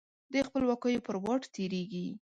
د خپلواکیو پر واټ تیریږې